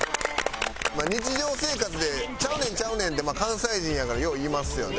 まあ日常生活で「ちゃうねんちゃうねん」って関西人やからよう言いますよね。